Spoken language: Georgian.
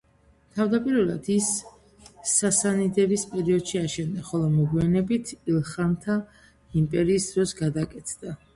თავდაპირველად ის სასანიდების პერიოდში აშენდა, ხოლო მოგვიანებით, ილხანთა იმპერიის დროს გადაკეთდა.